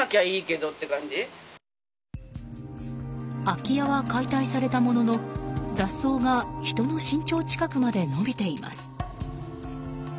空き家は解体されたものの雑草が人の身長近くまで伸びています。